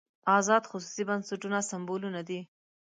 ازاد خصوصي بنسټونه سېمبولونه دي.